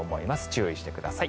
注意してください。